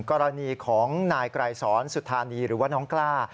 กรณีของนายไกรสอนสุธานีหรือว่าน้องกล้า